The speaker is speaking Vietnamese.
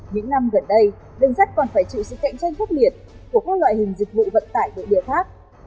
những năm gần đây đường sắt còn phải chịu sự cạnh tranh phốc liệt của các loại hình dịch vụ vận tải đội địa pháp